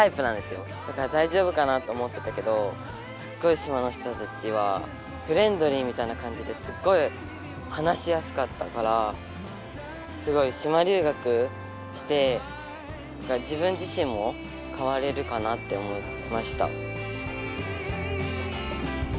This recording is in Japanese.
「だいじょうぶかな？」と思ってたけどすっごい島の人たちはフレンドリーみたいなかんじですっごい話しやすかったからすごい島留学して自分自しんもかわれるかなって思いました。